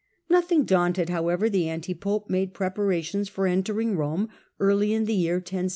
Nothing daunted, however, the anti pope made preparations for entering Rome early in the year 1062.